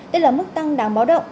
đây là mức tăng đáng báo động